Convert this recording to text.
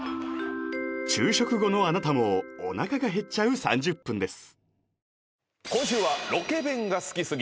昼食後のあなたもおなかが減っちゃう３０分です